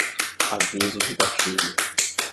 Aviso de gatilho